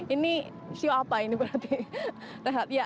ini siapa ini berarti